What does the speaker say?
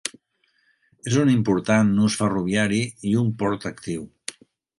És un important nus ferroviari i un port actiu.